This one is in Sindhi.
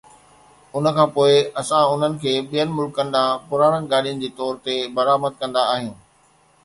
ان کان پوء اسان انهن کي ٻين ملڪن ڏانهن پراڻن گاڏين جي طور تي برآمد ڪندا آهيون